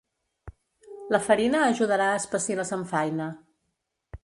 La farina ajudarà a espessir la samfaina.